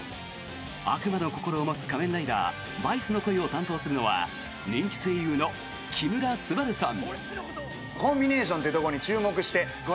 悪魔の心を持つ仮面ライダーバイスの声を担当するのは人気声優の木村昴さん。